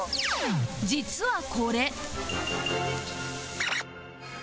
実はこれ